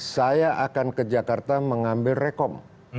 saya akan ke jakarta mengambil rekom